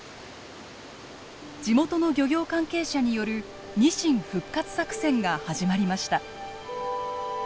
地元の漁業関係者によるニシン復活作戦が始まりました。